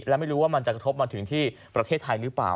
และไม่รู้ว่ามันจะกระทบมาถึงที่ประเทศไทยหรือเปล่า